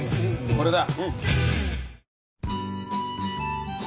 これだ。